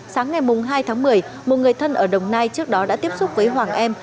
sáng ngày hai tháng một mươi một người thân ở đồng nai trước đó đã tiếp xúc với hoàng em